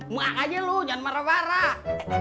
muak aja lu jangan marah marah